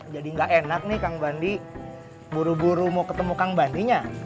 jadi gak enak nih kang bandi buru buru mau ketemu kang bandinya